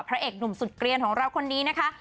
พระเอกหนุ่มสุดเกลียนของเราคนนี้นะคะ